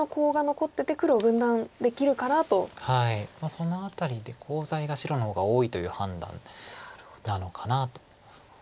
その辺りでコウ材が白の方が多いという判断なのかなと。